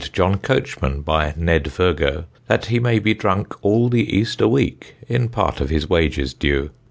John Coachman by Ned Virgo, that he may be drunk all the Easter week, in part of his wages due, _£_1."